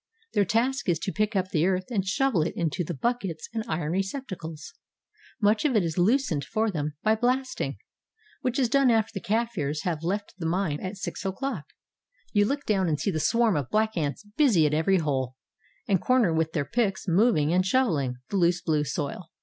Their task is to pick up the earth and shovel it into the buckets and iron receptacles. Much of it is loosened for them by blasting, which is done after the Kafirs have left the mine at 6 o'clock. You look down and see the swarm of black ants busy at every hole and corner with their picks moving and shoveling the loose blue soil.